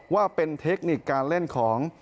ว่าเป็นเทคนิคการเล่นของ